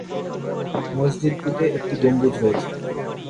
মসজিদটিতে একটি গম্বুজ রয়েছে।